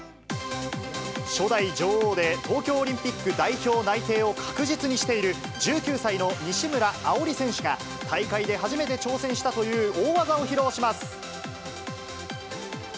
初代女王で、東京オリンピック代表内定を確実にしている１９歳の西村碧莉選手が、大会で初めて挑戦したという大技を披露します。